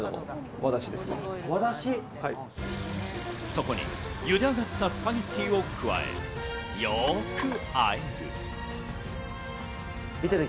そこに、茹で上がったスパゲッティを加え、よくあえる。